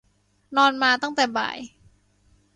นอนมาตั้งแต่บ่าย